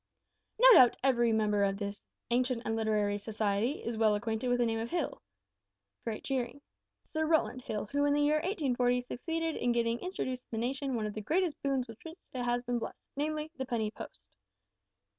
"No doubt every member of this ancient and literary Society is well acquainted with the name of Hill (great cheering) Sir Rowland Hill, who in the year 1840 succeeded in getting introduced to the nation one of the greatest boons with which it has been blessed namely, the Penny Post."